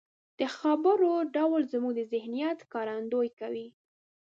د خبرو ډول زموږ د ذهنيت ښکارندويي کوي.